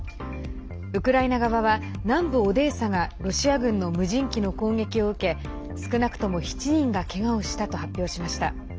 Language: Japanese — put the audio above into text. ウクライナ側は南部オデーサがロシア軍の無人機の攻撃を受け少なくとも７人がけがをしたと発表しました。